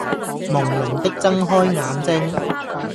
朦朧的睜開眼睛